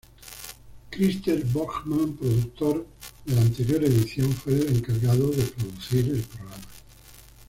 Christer Björkman, productor de la anterior edición, fue el encargado de producir el programa.